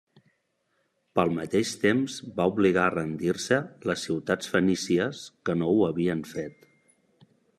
Pel mateix temps va obligar a rendir-se les ciutats fenícies que no ho havien fet.